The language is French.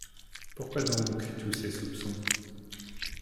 Pourquoi donc tous ces soupçons ?